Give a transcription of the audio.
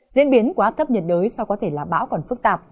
diễn biến của áp thấp nhiệt đới sau có thể là bão còn phức tạp